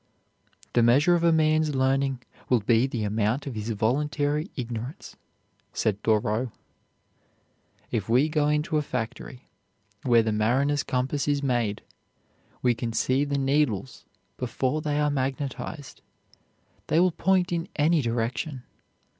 "The measure of a man's learning will be the amount of his voluntary ignorance," said Thoreau. If we go into a factory where the mariner's compass is made we can see the needles before they are magnetized, they will point in any direction.